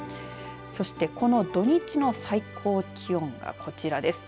そして、この土日の最高気温がこちらです。